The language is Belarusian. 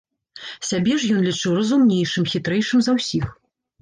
Сябе ж ён лічыў разумнейшым, хітрэйшым за ўсіх.